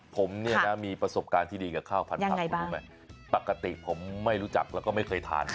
ผมเนี่ยนะมีประสบการณ์ที่ดีกับข้าวผัดผักคุณรู้ไหมปกติผมไม่รู้จักแล้วก็ไม่เคยทาน